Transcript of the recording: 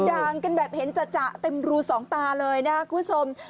ด่างกันแบบเห็นจัดเต็มรูสองตาเลยนะครับคุณผู้ชม